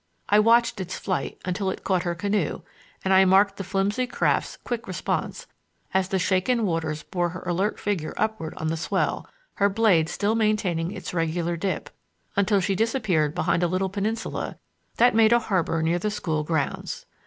I watched its flight until it caught her canoe and I marked the flimsy craft's quick response, as the shaken waters bore her alert figure upward on the swell, her blade still maintaining its regular dip, until she disappeared behind a little peninsula that made a harbor near the school grounds.